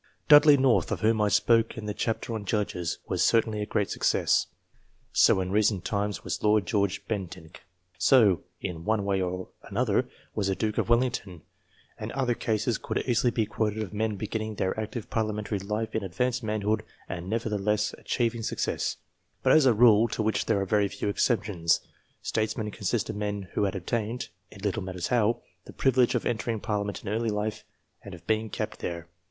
Dudley North, of whom I spoke in the chapter on Judges, was certainly a great success ; so, in recent times, was Lord George Bentinck ; so in one way or another, was the Duke of Wellington ; and other cases could easily be quoted of men beginning their active parliamentary life in advanced manhood and nevertheless achieving success ; but, as a rule, to which there are very few exceptions, statesmen consist of men who had obtained it little matters how the privilege of entering Parliament in early life, and of being kept there.